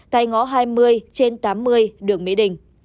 tại ngõ hai mươi trên tám mươi đường mỹ đình